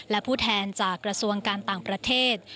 และผู้แทนจากกระทรวงการต่างประเทศ